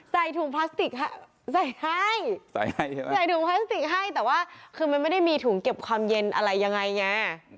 ใส่ถุงพลาสติกให้แต่ว่ามันไม่ได้มีถุงเก็บความเย็นอะไรยังไง